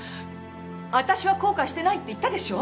私は後悔してないって言ったでしょう！